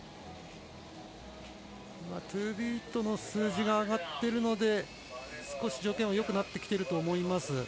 トゥービートの数字が上がっているので少し条件はよくなってきてると思います。